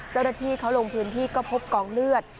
เจ้าหน้าที่เขาลงพื้นที่ก็พบกองเลือด